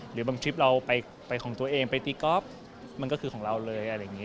หรือบางคลิปเราไปของตัวเองไปตีก๊อฟมันก็คือของเราเลยอะไรอย่างนี้